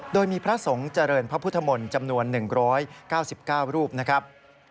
โดยมีพระสงฆ์เจริญพระพุทธมนตร์จำนวน๑๙๙รูปนะครับ